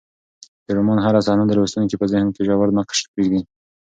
د رومان هره صحنه د لوستونکي په ذهن کې ژور نقش پرېږدي.